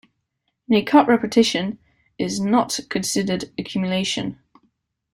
In a cut repetition is not considered accumulation.